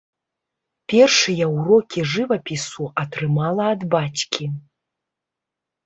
Першыя ўрокі жывапісу атрымала ад бацькі.